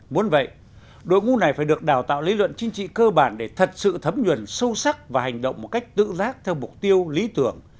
muốn vậy đội ngũ này phải được đào tạo lý luận chính trị cơ bản để thật sự thấm nhuần sâu sắc và hành động một cách tự giác theo mục tiêu lý tưởng